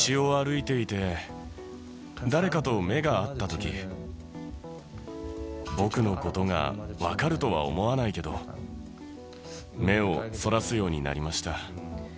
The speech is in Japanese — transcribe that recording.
道を歩いていて、誰かと目が合ったとき、僕のことが分かるとは思わないけど、目をそらすようになりました。